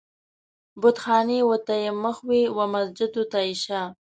بتخانې و ته يې مخ وي و مسجد و ته يې شا